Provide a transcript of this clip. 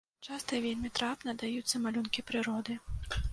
Часта вельмі трапна даюцца малюнкі прыроды.